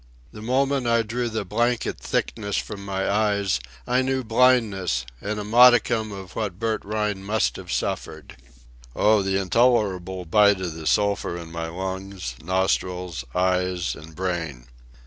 The moment I drew the blanket thickness from my eyes I knew blindness and a modicum of what Bert Rhine must have suffered. Oh, the intolerable bite of the sulphur in my lungs, nostrils, eyes, and brain!